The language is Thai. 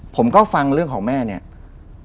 ผมก็ฟังเรื่องของแม่เนี่ย